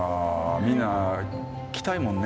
みんな来たいもんね。